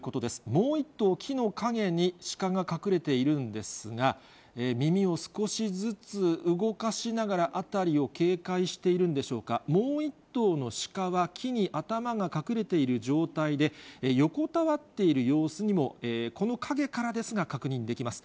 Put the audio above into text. もう１頭、木の陰にシカが隠れているんですが、耳を少しずつ動かしながら、辺りを警戒しているんでしょうか、もう１頭のシカは木に頭が隠れている状態で、横たわっている様子にも、この陰からですが、確認できます。